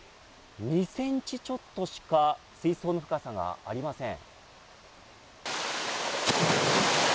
２センチちょっとしか水槽の深さがありません。